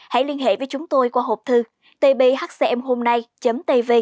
hãy liên hệ với chúng tôi qua hộp thư tbhcmhômnay tv a gmail com